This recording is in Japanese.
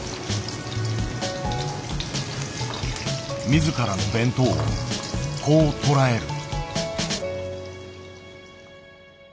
自らの弁当をこう捉える。